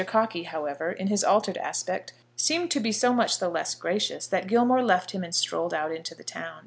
Cockey, however, in his altered aspect seemed to be so much the less gracious, that Gilmore left him and strolled out into the town.